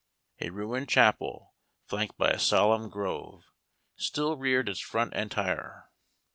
A ruined chapel, flanked by a solemn grove, still reared its front entire.